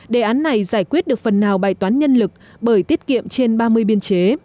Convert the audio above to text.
đề án này giải quyết được phần nào bài toán nhân lực bởi tiết kiệm trên ba mươi biên chế